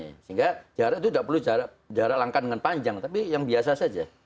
sehingga jarak itu tidak perlu jarak langkah dengan panjang tapi yang biasa saja